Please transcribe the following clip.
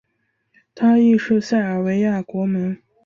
他亦是塞尔维亚国门。